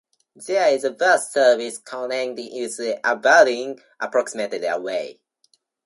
There is a bus service connecting with Aberdeen, approximately away.